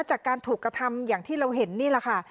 จากการถูกกระทำอย่างที่เราเห็นนี่แหละค่ะ